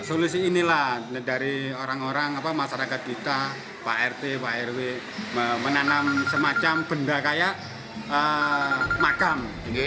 solusi inilah dari orang orang masyarakat kita pak rt pak rw menanam semacam benda kayak makam